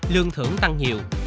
lương thưởng tăng nhiều